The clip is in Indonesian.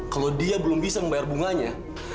kalau dia belum bisa membayar bunganya